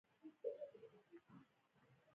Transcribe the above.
د غنمو لو په لور کیږي.